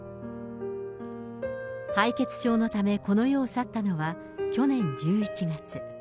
敗血症のためこの世を去ったのは、去年１１月。